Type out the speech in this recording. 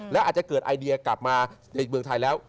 และอาจจะเกิดไอเดียกลับมาในเมืองไทยแล้ว